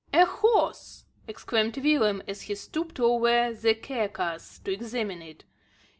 "A horse!" exclaimed Willem as he stooped over the carcass to examine it.